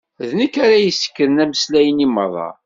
D nekk ara yessekren ameslay-nni merra.